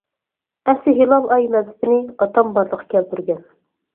ئەسلى «ھىلال ئاي» مەزھىپىنى ئاتام بارلىققا كەلتۈرگەن.